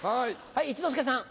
一之輔さん。